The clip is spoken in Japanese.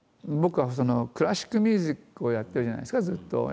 僕はクラシックミュージックをやってるじゃないですかずっと。